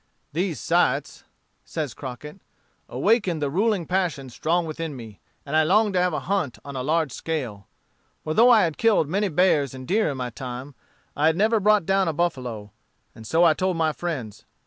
"These sights," says Crockett, "awakened the ruling passion strong within me, and I longed to have a hunt on a large scale. For though I had killed many bears and deer in my time, I had never brought down a buffalo, and so I told my friends.